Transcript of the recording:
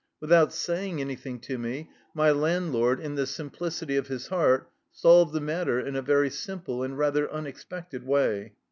Without saying anything to me, my landlord, in the simplicity of his heart, solved the matter in a very simple and rather unexpected way.